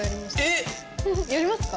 えっ⁉やりますか？